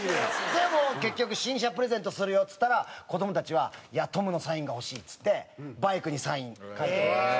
でも結局「新車プレゼントするよ」っつったら子どもたちは「いやトムのサインが欲しい」っつってバイクにサイン書いて渡した。